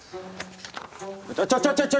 ちょちょちょちょ！